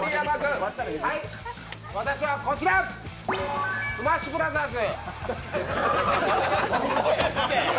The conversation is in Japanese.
私はこちら「スマッシュブラザーズ」。